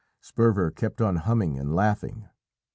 Sperver kept on humming and laughing.